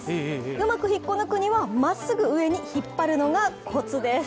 うまく引っこ抜くには、まっすぐ上に引っ張るのがコツです。